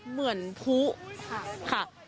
เหมือนพุค่ะ